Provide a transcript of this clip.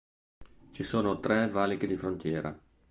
Ci sono tre valichi di frontiera.